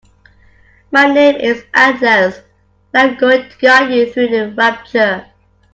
My name is Atlas and I'm going to guide you through Rapture.